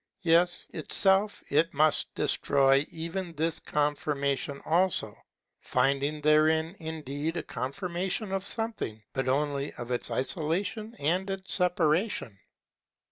Yes, itself it must destroy even this confirmation also, finding therein indeed a confirmation of something, but only of its isolation and its separation.